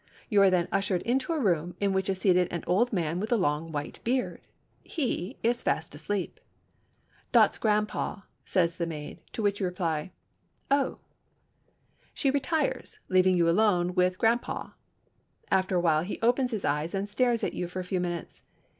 You are then ushered into a room in which is seated an old man with a long white beard. He is fast asleep. "Dot's grampaw," says the maid, to which you reply, "Oh." She retires, leaving you alone with grampaw. After a while he opens his eyes and stares at you for a few minutes.